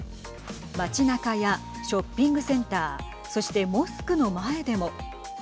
街なかやショッピングセンターそしてモスクの前でも。